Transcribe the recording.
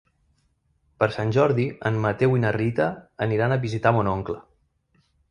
Per Sant Jordi en Mateu i na Rita aniran a visitar mon oncle.